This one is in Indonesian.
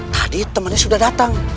tadi temannya sudah datang